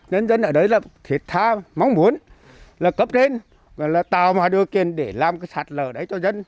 nên dân ở đấy thiệt tha mong muốn cấp đến tàu mà đưa kênh để làm sạt lở đấy cho dân